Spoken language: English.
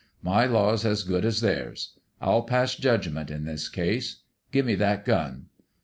My law's as good as theirs. I'll pass judgment in this case. Give me that gun.